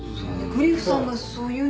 グリフさんがそう言うなら。